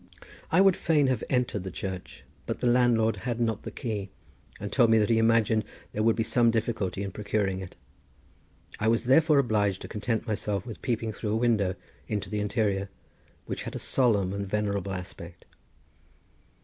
I would fain have entered the church, but the landlord had not the key, and told me that he imagined there would be some difficulty in procuring it. I was therefore obliged to content myself with peeping through a window into the interior, which had a solemn and venerable aspect.